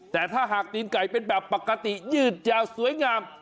แต่ถ้าหากตีนไก่เป็นแบบปกติยืดยาวสวยงาม